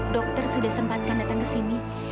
dokter sudah sempatkan datang ke sini